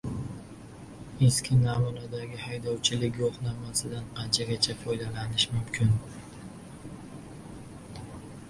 Eski namunadagi haydovchilik guvohnomasidan qachongacha foydalanishim mumkin?